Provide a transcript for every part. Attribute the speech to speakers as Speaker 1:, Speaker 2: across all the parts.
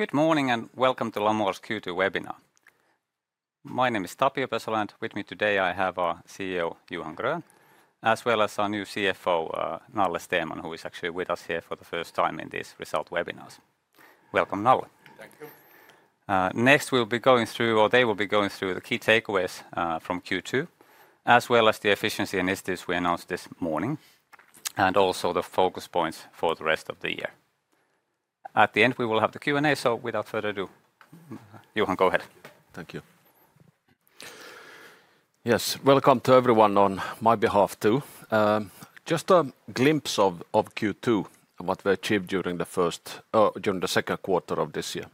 Speaker 1: Good morning and welcome to Lamor's Q2 webinar. My name is Tapio Pesola, and with me today I have our CEO, Johan Grön, as well as our new CFO, Nalle Stenman, who is actually with us here for the first time in these result webinars. Welcome, Nalle.
Speaker 2: Thank you.
Speaker 1: Next, we'll be going through the key takeaways from Q2, as well as the efficiency initiatives we announced this morning, and also the focus points for the rest of the year. At the end, we will have the Q&A, so without further ado, Johan, go ahead.
Speaker 3: Thank you. Yes, welcome to everyone on my behalf too. Just a glimpse of Q2, what we achieved during the second quarter of this year.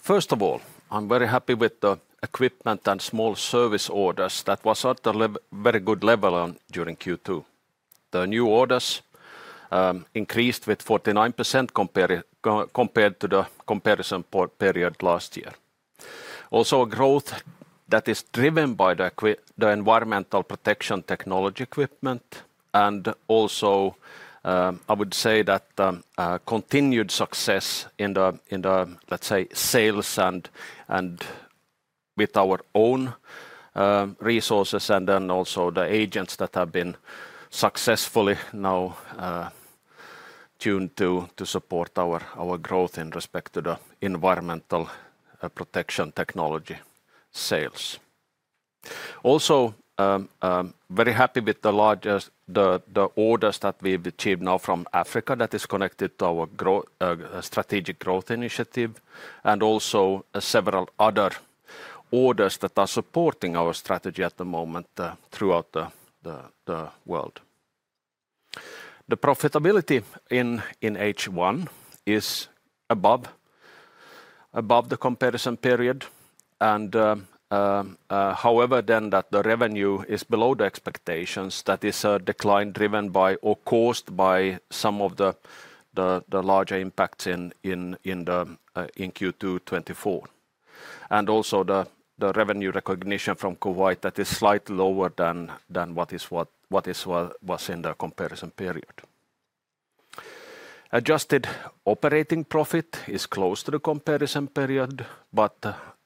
Speaker 3: First of all, I'm very happy with the equipment and small service orders that were at a very good level during Q2. The new orders increased with 49% compared to the comparison period last year. Also, growth that is driven by the environmental protection technology equipment, and also, I would say that continued success in the, let's say, sales and with our own resources and then also the agents that have been successfully now tuned to support our growth in respect to the environmental protection technology sales. Also, very happy with the orders that we've achieved now from Africa that is connected to our strategic growth initiative, and also several other orders that are supporting our strategy at the moment throughout the world. The profitability in H1 is above the comparison period, and however, then that the revenue is below the expectations, that is a decline driven by or caused by some of the larger impacts in Q2 2024. Also, the revenue recognition from Kuwait that is slightly lower than what was in the comparison period. Adjusted operating profit is close to the comparison period, but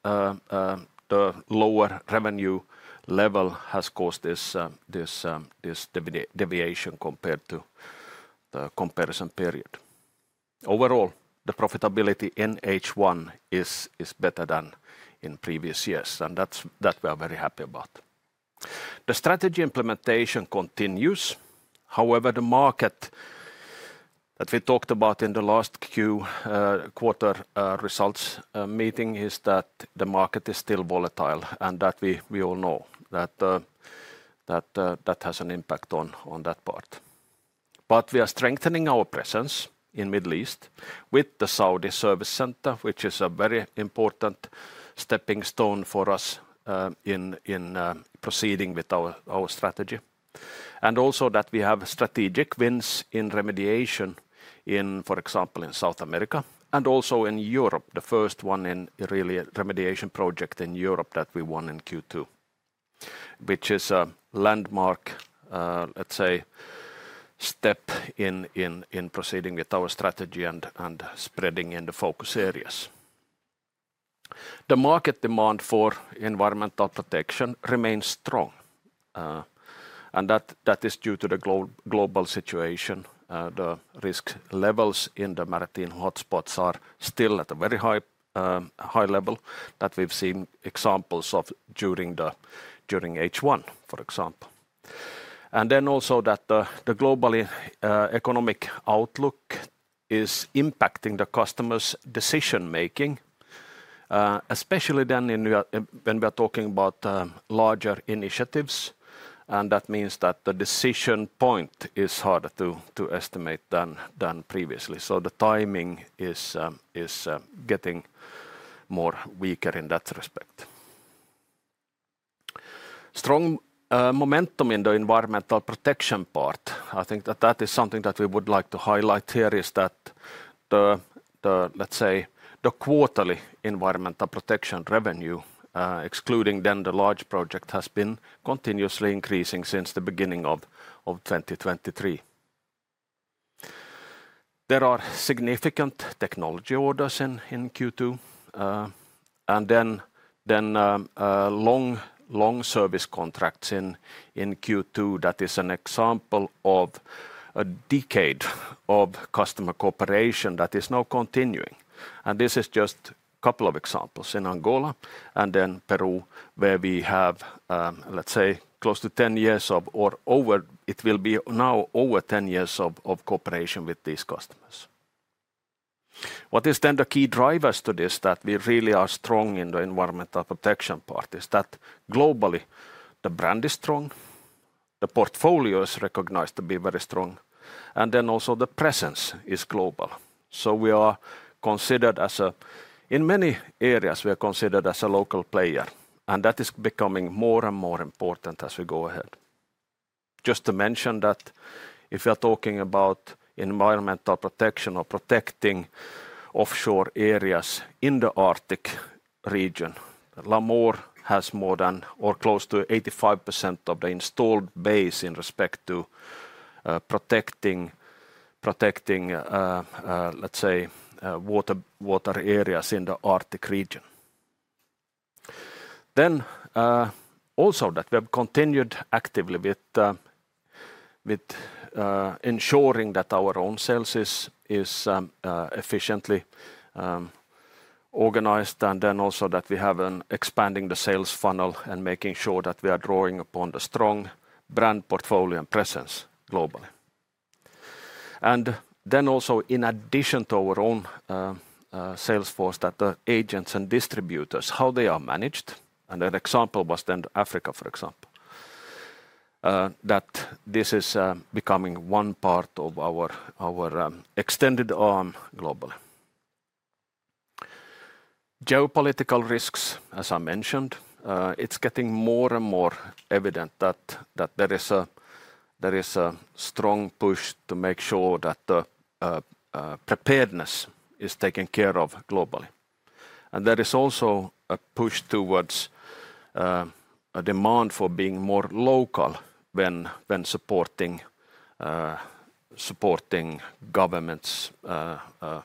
Speaker 3: the lower revenue level has caused this deviation compared to the comparison period. Overall, the profitability in H1 is better than in previous years, and that we are very happy about. The strategy implementation continues. However, the market that we talked about in the last Q2 results meeting is that the market is still volatile and that we all know that has an impact on that part. We are strengthening our presence in the Middle East with the Saudi service center, which is a very important stepping stone for us in proceeding with our strategy. Also, we have strategic wins in remediation in, for example, in South America and also in Europe, the first one in a remediation project in Europe that we won in Q2, which is a landmark, let's say, step in proceeding with our strategy and spreading in the focus areas. The market demand for environmental protection remains strong, and that is due to the global situation. The risk levels in the maritime hotspots are still at a very high level that we've seen examples of during H1, for example. The global economic outlook is impacting the customer's decision making, especially when we are talking about larger initiatives, and that means the decision point is harder to estimate than previously. The timing is getting weaker in that respect. There is strong momentum in the environmental protection part. I think that is something we would like to highlight here, that the quarterly environmental protection revenue, excluding the large project, has been continuously increasing since the beginning of 2023. There are significant technology orders in Q2, and long service contracts in Q2 that are an example of a decade of customer cooperation that is now continuing. These are just a couple of examples in Angola and Peru, where we have close to 10 years or now over 10 years of cooperation with these customers. The key drivers to this, that we really are strong in the environmental protection part, are that globally, the brand is strong, the portfolio is recognized to be very strong, and the presence is global. We are considered, in many areas, as a local player, and that is becoming more and more important as we go ahead. If you're talking about environmental protection or protecting offshore areas in the Arctic region, Lamor has more than or close to 85% of the installed base in respect to protecting water areas in the Arctic region. We have continued actively with ensuring that our own sales is efficiently organized, and we have expanded the sales funnel, making sure that we are drawing upon the strong brand, portfolio, and presence globally. In addition to our own sales force, the agents and distributors, how they are managed, and an example was Africa, for example, that this is becoming one part of our extended arm globally. Geopolitical risks, as I mentioned, are getting more and more evident, and there is a strong push to make sure that preparedness is taken care of globally. There is also a push towards a demand for being more local when supporting governments and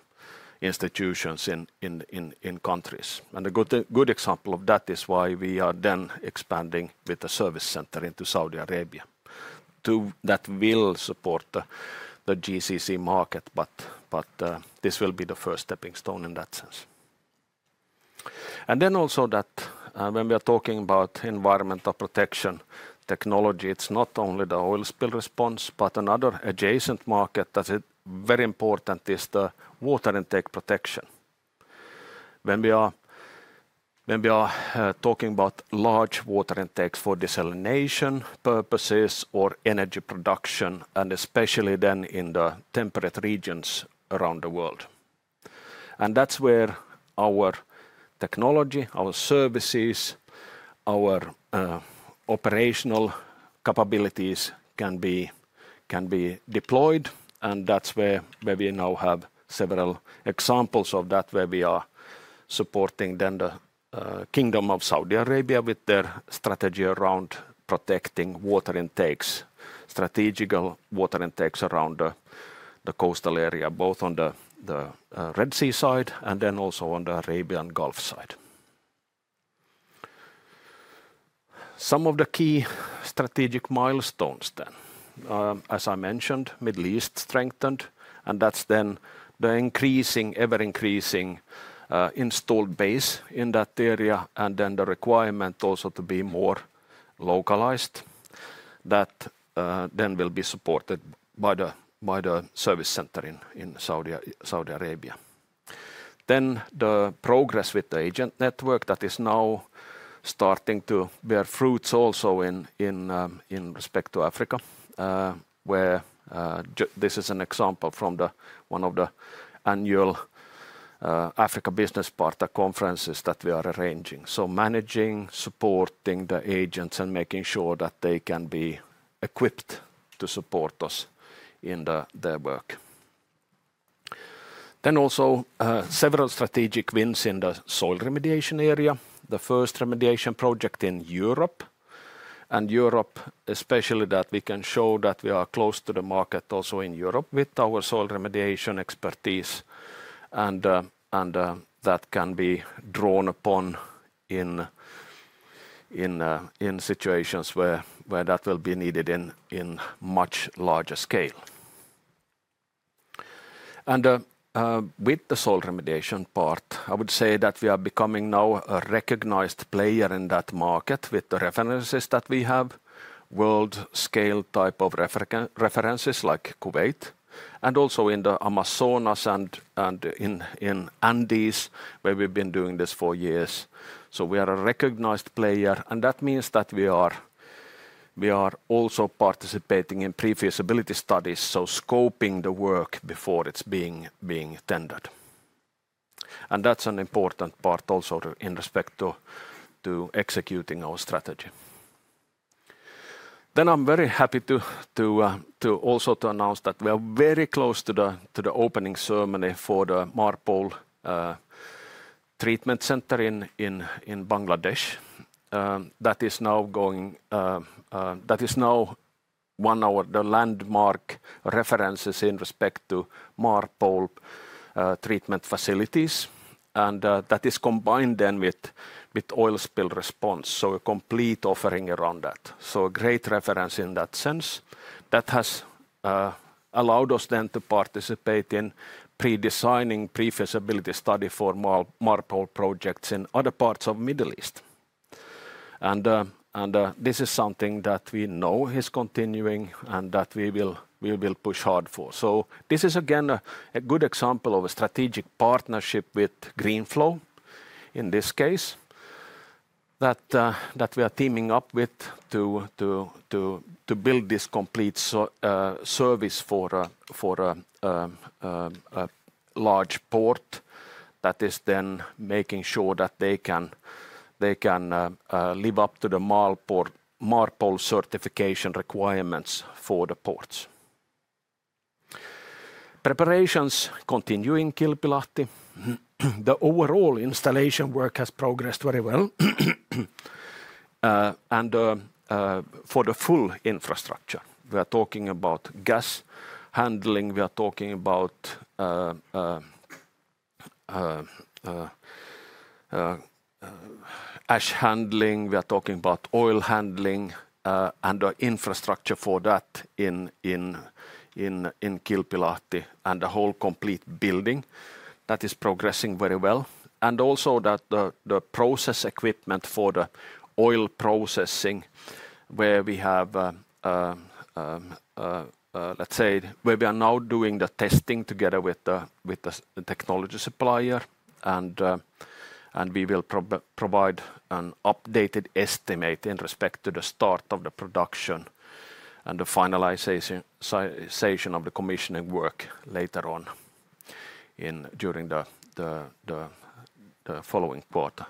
Speaker 3: institutions in countries. A good example of that is why we are expanding with the service center into Saudi Arabia. That will support the GCC market, and this will be the first stepping stone in that sense. When we are talking about environmental protection technology, it's not only the oil spill response, but another adjacent market that is very important is the water intake protection. We are talking about large water intakes for desalination purposes or energy production, especially in the temperate regions around the world. That's where our technology, our services, our operational capabilities can be deployed, and that's where we now have several examples of supporting the Kingdom of Saudi Arabia with their strategy around protecting water intakes, strategic water intakes around the coastal area, both on the Red Sea side and also on the Arabian Gulf side. Some of the key strategic milestones, as I mentioned, include the Middle East being strengthened, with the ever-increasing installed base in that area and the requirement to be more localized, which will be supported by the service center in Saudi Arabia. The progress with the agent network is now starting to bear fruit in respect to Africa, and this is an example from one of the annual Africa Business Partner conferences that we are arranging. Managing and supporting the agents, making sure that they can be equipped to support us in their work, is important. There have also been several strategic wins in the soil remediation area, including the first remediation project in Europe. In Europe, we can show that we are close to the market with our soil remediation expertise, and that can be drawn upon in situations where it will be needed on a much larger scale. With the soil remediation part, I would say that we are becoming a recognized player in that market with the references that we have, world-scale type of references like Kuwait, and also in the Amazonas and in the Andes, where we've been doing this for years. We are a recognized player, and that means we are also participating in pre-feasibility studies, scoping the work before it's being tendered. That's an important part in respect to executing our strategy. I am very happy to announce that we are very close to the opening ceremony for the MARPOL Treatment Center in Bangladesh. That is now one of the landmark references in respect to MARPOL treatment facilities, and that is combined with oil spill response, so a complete offering around that. It's a great reference in that sense. That has allowed us then to participate in pre-designing pre-feasibility study for MARPOL projects in other parts of the Middle East. This is something that we know is continuing and that we will push hard for. This is again a good example of a strategic partnership with Greenflow, in this case, that we are teaming up with to build this complete service for a large port that is then making sure that they can live up to the MARPOL certification requirements for the ports. Preparations continuing in Kilpilahti. The overall installation work has progressed very well. For the full infrastructure, we are talking about gas handling, we are talking about ash handling, we are talking about oil handling, and the infrastructure for that in Kilpilahti, and the whole complete building. That is progressing very well. Also that the process equipment for the oil processing, where we have, let's say, where we are now doing the testing together with the technology supplier, and we will provide an updated estimate in respect to the start of the production and the finalization of the commissioning work later on during the following quarter.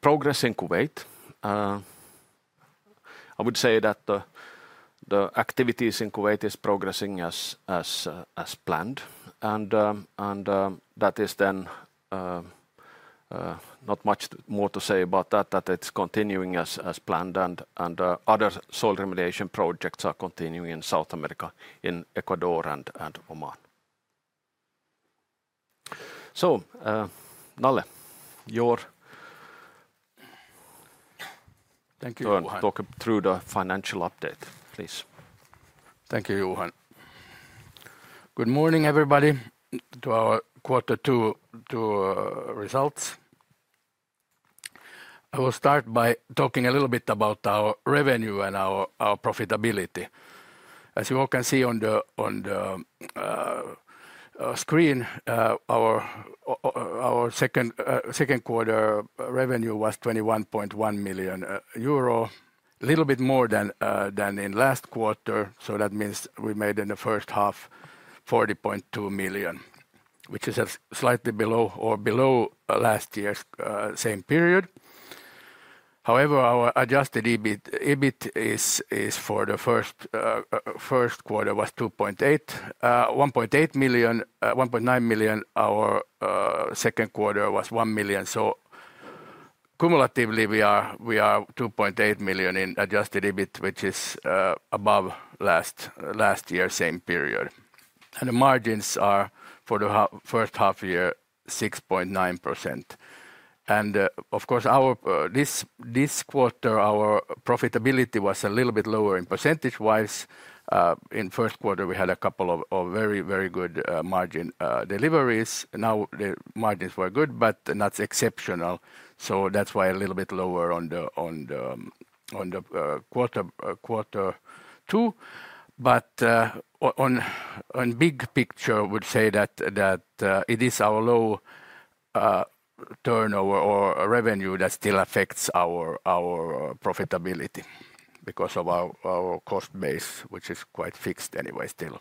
Speaker 3: Progress in Kuwait. I would say that the activities in Kuwait is progressing as planned, and that is then not much more to say about that, that it's continuing as planned, and other soil remediation projects are continuing in South America, in Ecuador, and Oman. Nalle, your.
Speaker 2: Thank you.
Speaker 3: Talk through the financial update, please.
Speaker 2: Thank you, Johan. Good morning, everybody, to our quarter two results. I will start by talking a little bit about our revenue and our profitability. As you all can see on the screen, our second quarter revenue was 21.1 million euro, a little bit more than in last quarter, so that means we made in the first half 40.2 million, which is slightly below or below last year's same period. However, our adjusted EBIT for the first quarter was 1.8 million, 1.9 million. Our second quarter was 1 million, so cumulatively we are 2.8 million in adjusted EBIT, which is above last year's same period. The margins are for the first half year 6.9%. Of course, this quarter, our profitability was a little bit lower percentage-wise. In the first quarter, we had a couple of very, very good margin deliveries. Now the margins were good, but not exceptional, so that's why a little bit lower on the quarter two. On the big picture, I would say that it is our low turnover or revenue that still affects our profitability because of our cost base, which is quite fixed anyway still.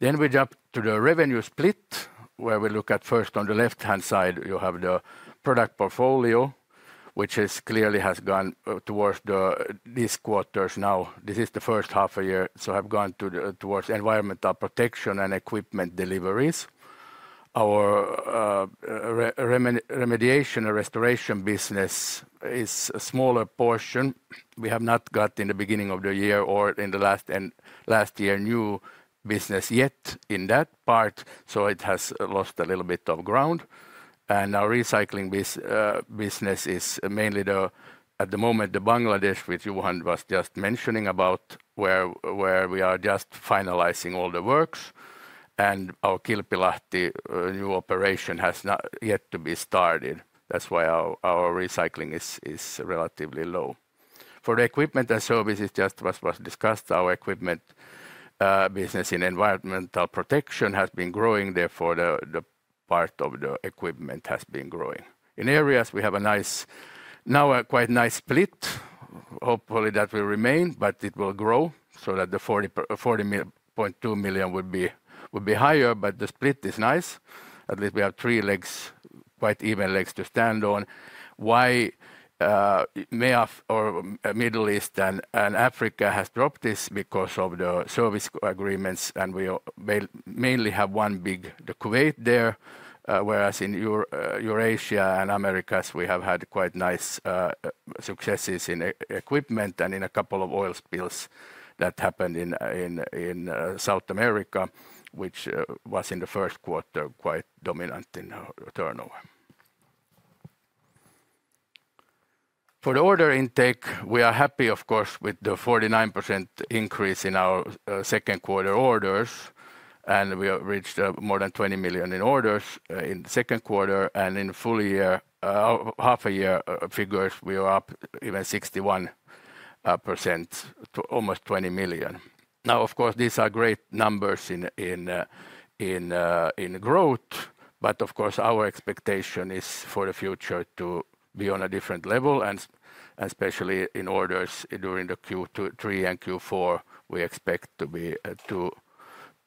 Speaker 2: We jump to the revenue split, where we look at first on the left-hand side, you have the product portfolio, which clearly has gone towards this quarter's now, this is the first half a year, so have gone towards environmental protection and equipment deliveries. Our remediation and restoration business is a smaller portion. We have not got in the beginning of the year or in the last year new business yet in that part, so it has lost a little bit of ground. Our recycling business is mainly the, at the moment, the Bangladesh, which Johan was just mentioning about, where we are just finalizing all the works, and our Kilpilahti new operation has not yet to be started. That's why our recycling is relatively low. For the equipment and services, just as was discussed, our equipment business in environmental protection has been growing, therefore the part of the equipment has been growing. In areas, we have a nice, now a quite nice split. Hopefully, that will remain, but it will grow so that the 40.2 million would be higher, but the split is nice. At least we have three legs, quite even legs to stand on. Why Middle East and Africa has dropped is because of the service agreements, and we mainly have one big, the Kuwait there, whereas in Eurasia and Americas, we have had quite nice successes in equipment and in a couple of oil spills that happened in South America, which was in the first quarter quite dominant in the turnover. For the order intake, we are happy, of course, with the 49% increase in our second quarter orders, and we have reached more than 20 million in orders in the second quarter, and in full year, half a year figures, we are up even 61% to almost 20 million. Now, of course, these are great numbers in growth, but of course, our expectation is for the future to be on a different level, and especially in orders during the Q3 and Q4, we expect to be,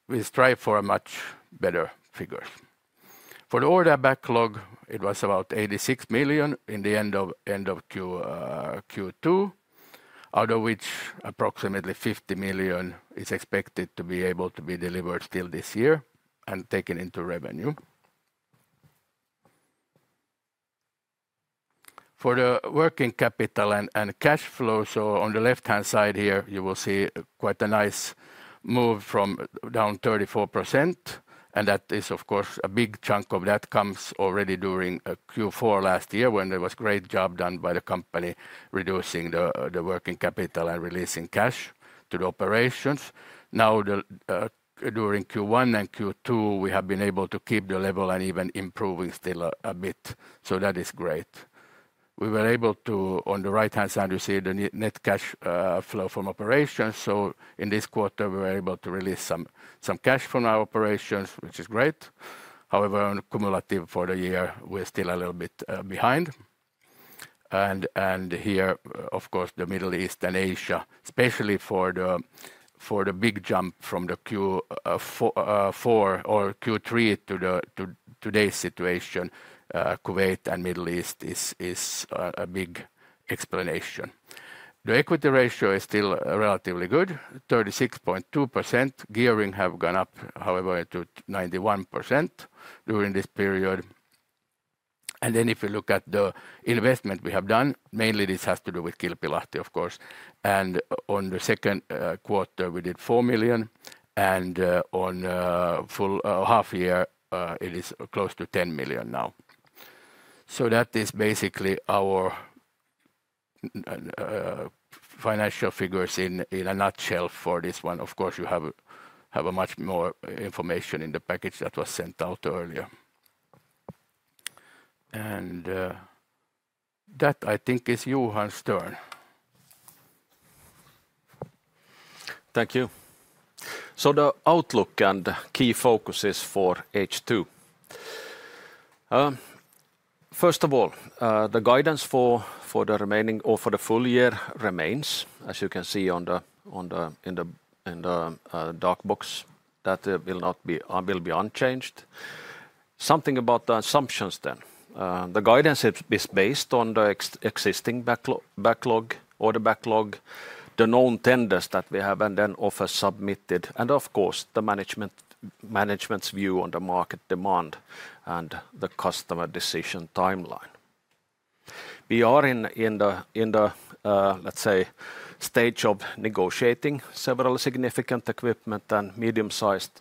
Speaker 2: we strive for much better figures. For the order backlog, it was about 86 million in the end of Q2, out of which approximately 50 million is expected to be able to be delivered still this year and taken into revenue. For the working capital and cash flow, on the left-hand side here, you will see quite a nice move from down 34%, and that is, of course, a big chunk of that comes already during Q4 last year when there was a great job done by the company reducing the working capital and releasing cash to the operations. During Q1 and Q2, we have been able to keep the level and even improving still a bit, so that is great. We were able to, on the right-hand side, you see the net cash flow from operations, so in this quarter, we were able to release some cash from our operations, which is great. However, on cumulative for the year, we're still a little bit behind. Here, of course, the Middle East and Asia, especially for the big jump from the Q4 or Q3 to today's situation, Kuwait and Middle East is a big explanation. The equity ratio is still relatively good, 36.2%. Gearing has gone up, however, to 91% during this period. If you look at the investment we have done, mainly this has to do with Kilpilahti, of course. On the second quarter, we did 4 million, and on a full half year, it is close to 10 million now. That is basically our financial figures in a nutshell for this one. You have much more information in the package that was sent out earlier. I think it is Johan's turn.
Speaker 3: Thank you. The outlook and key focuses for H2. First of all, the guidance for the remaining or for the full year remains, as you can see on the dark box, that will be unchanged. Something about the assumptions then. The guidance is based on the existing backlog, order backlog, the known tenders that we have, and then offers submitted, and of course, the management's view on the market demand and the customer decision timeline. We are in the, let's say, stage of negotiating several significant equipment and medium-sized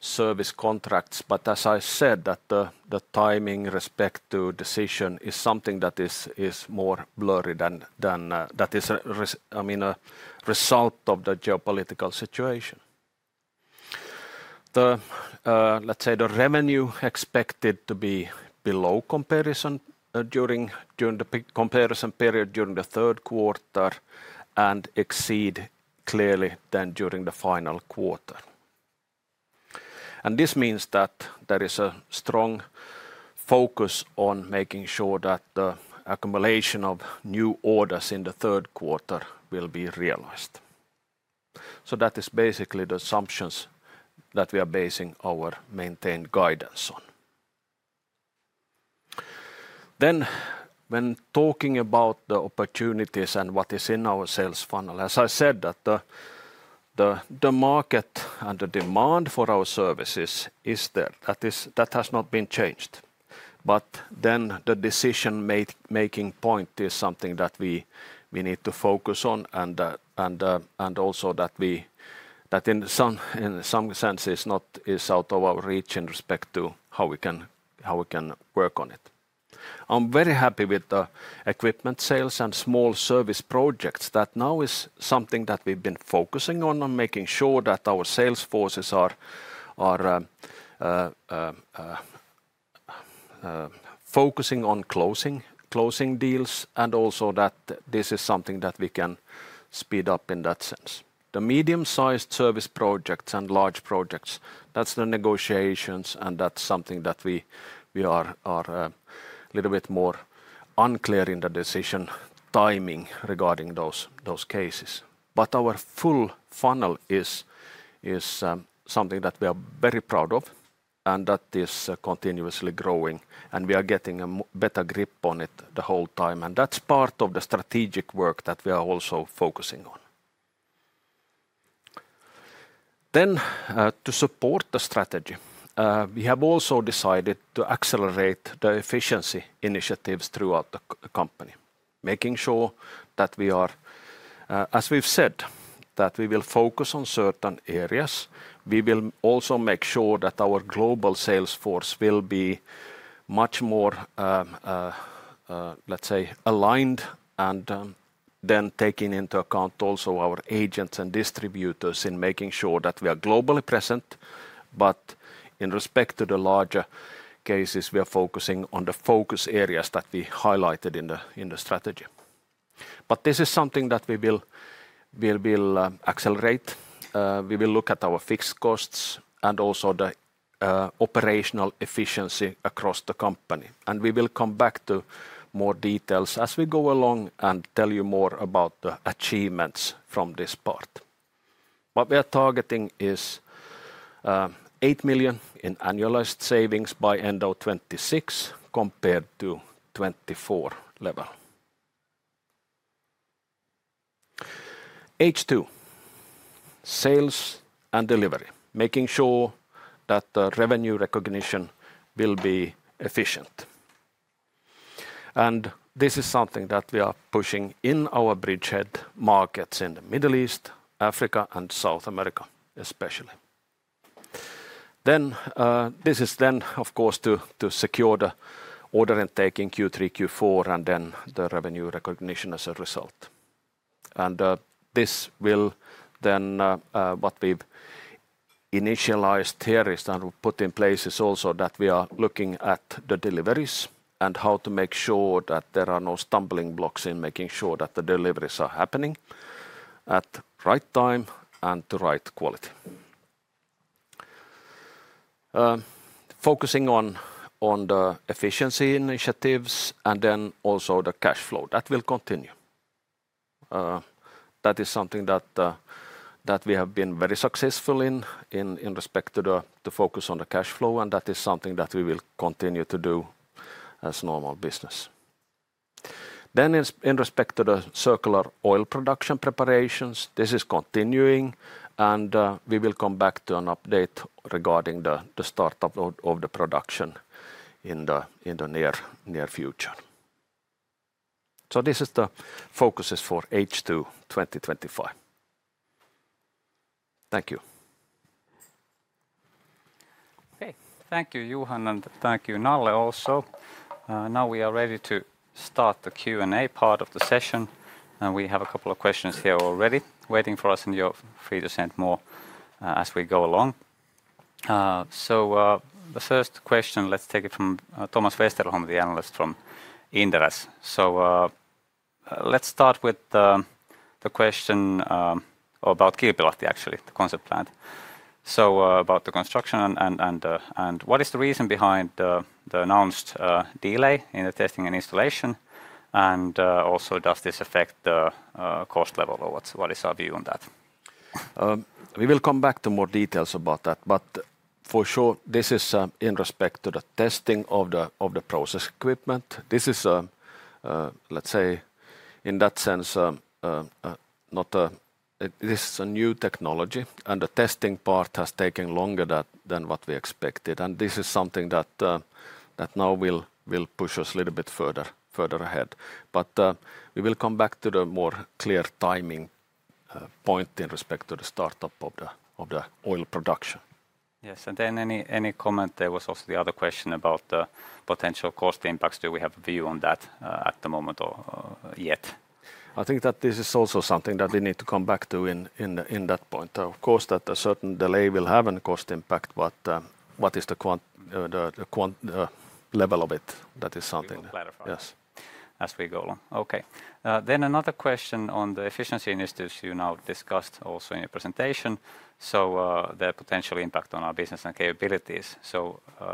Speaker 3: service contracts, but as I said, the timing respect to decision is something that is more blurry than that is, I mean, a result of the geopolitical situation. The revenue is expected to be below comparison during the comparison period during the third quarter and exceed clearly then during the final quarter. This means that there is a strong focus on making sure that the accumulation of new orders in the third quarter will be realized. That is basically the assumptions that we are basing our maintained guidance on. When talking about the opportunities and what is in our sales funnel, as I said, the market and the demand for our services is there. That has not been changed. The decision-making point is something that we need to focus on and also that we, that in some sense, is not out of our reach in respect to how we can work on it. I'm very happy with the equipment sales and small service projects. That now is something that we've been focusing on, on making sure that our sales forces are focusing on closing deals and also that this is something that we can speed up in that sense. The medium-sized service projects and large projects, that's the negotiations and that's something that we are a little bit more unclear in the decision timing regarding those cases. Our full funnel is something that we are very proud of and that is continuously growing and we are getting a better grip on it the whole time. That's part of the strategic work that we are also focusing on. To support the strategy, we have also decided to accelerate the efficiency initiatives throughout the company, making sure that we are, as we've said, that we will focus on certain areas. We will also make sure that our global sales force will be much more, let's say, aligned and then taking into account also our agents and distributors in making sure that we are globally present. In respect to the larger cases, we are focusing on the focus areas that we highlighted in the strategy. This is something that we will accelerate. We will look at our fixed costs and also the operational efficiency across the company. We will come back to more details as we go along and tell you more about the achievements from this part. What we are targeting is 8 million in annualized savings by end of 2026 compared to 2024 level. H2, sales and delivery, making sure that the revenue recognition will be efficient. This is something that we are pushing in our bridgehead markets in the Middle East, Africa, and South America, especially. This is, of course, to secure the order intake in Q3, Q4, and then the revenue recognition as a result. What we've initialized here and put in place is also that we are looking at the deliveries and how to make sure that there are no stumbling blocks in making sure that the deliveries are happening at the right time and to the right quality. Focusing on the efficiency initiatives and also the cash flow, that will continue. That is something that we have been very successful in with respect to the focus on the cash flow, and that is something that we will continue to do as normal business. In respect to the circular oil production preparations, this is continuing, and we will come back to an update regarding the start of the production in the near future. This is the focus for H2 2025. Thank you.
Speaker 1: Hey, thank you, Johan, and thank you, Nalle also. Now we are ready to start the Q&A part of the session, and we have a couple of questions here already waiting for us, and you're free to send more as we go along. The first question, let's take it from Thomas Westerholm, the analyst from Inderes. Let's start with the question about Kilpilahti, actually, the concept land. About the construction and what is the reason behind the announced delay in the testing and installation, and also does this affect the cost level, or what is our view on that?
Speaker 3: We will come back to more details about that, for sure, this is in respect to the testing of the process equipment. This is, let's say, in that sense, it is a new technology, and the testing part has taken longer than what we expected, and this is something that now will push us a little bit further ahead. We will come back to the more clear timing point in respect to the startup of the oil production.
Speaker 1: Yes, any comment? There was also the other question about the potential cost impacts. Do we have a view on that at the moment or yet?
Speaker 3: I think that this is also something that we need to come back to at that point. Of course, a certain delay will have a cost impact, but what is the level of it? That is something that, yes.
Speaker 1: As we go along. Okay. Another question on the efficiency initiatives you now discussed also in your presentation. Their potential impact on our business and capabilities.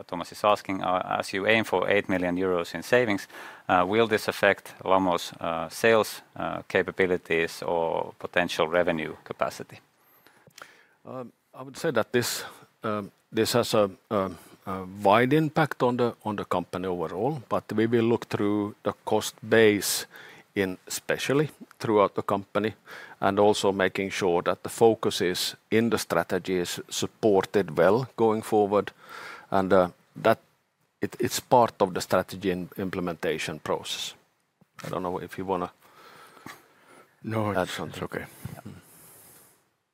Speaker 1: Thomas is asking, as you aim for 8 million euros in savings, will this affect Lamor's sales capabilities or potential revenue capacity?
Speaker 3: I would say that this has a wide impact on the company overall, but we will look through the cost base especially throughout the company and also making sure that the focus in the strategy is supported well going forward, and that it's part of the strategy and implementation process. I don't know if you want to add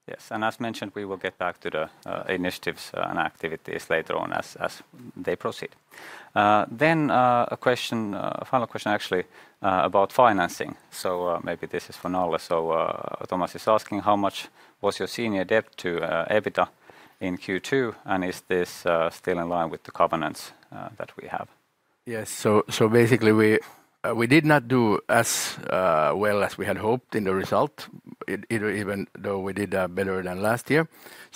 Speaker 3: something.
Speaker 1: Yes, as mentioned, we will get back to the initiatives and activities later on as they proceed. A final question actually about financing. Maybe this is for Nalle. Thomas is asking, how much was your senior debt to EBITDA in Q2, and is this still in line with the governance that we have?
Speaker 2: Yes, basically we did not do as well as we had hoped in the result, even though we did better than last year.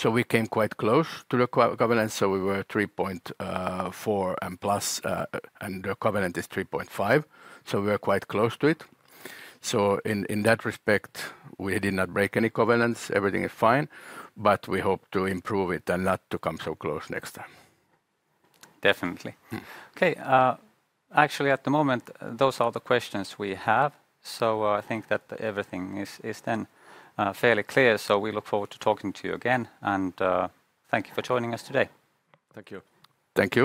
Speaker 2: We came quite close to the governance, we were 3.4 and plus, and the governance is 3.5, so we were quite close to it. In that respect, we did not break any governance, everything is fine, but we hope to improve it and not to come so close next time.
Speaker 1: Definitely. Okay, actually at the moment, those are the questions we have. I think that everything is then fairly clear, we look forward to talking to you again, and thank you for joining us today.
Speaker 2: Thank you.
Speaker 3: Thank you.